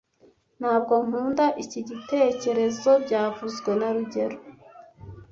Ntabwo nkunda iki gitekerezo byavuzwe na rugero